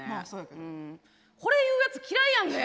これ言うやつ嫌いやんね。